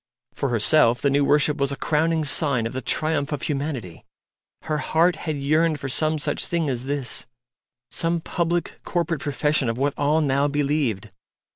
For herself the new worship was a crowning sign of the triumph of Humanity. Her heart had yearned for some such thing as this some public corporate profession of what all now believed.